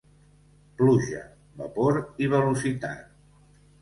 Pluja, vapor i velocitat.